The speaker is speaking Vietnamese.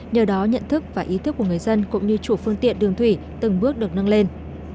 nhờ đó nhận thức và ý thức của người dân cũng như chủ phương tiện đường thủy từng bước được nâng lên